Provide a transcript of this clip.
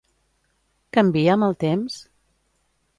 Canvia amb el temps?